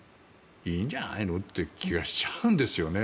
いいんじゃないのっていう気がしちゃうんですよね。